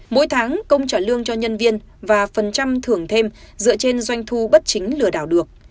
mỗi tháng công trả lương cho nhân viên và phần trăm thưởng thêm dựa trên doanh thu bất chính lừa đảo được